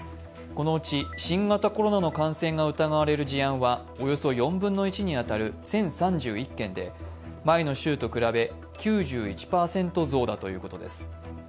このうち新型コロナの感染が疑われる事案はおよそ４分の１に当たる１０３１件で前の週と比べ９１％増だということです。